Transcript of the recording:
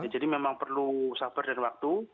jadi memang perlu sabar dan waktu